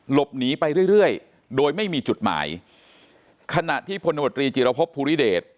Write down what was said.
หลบหนีไปเรื่อยโดยไม่มีจุดหมายขณะที่พมจิรภพภูริเดชร์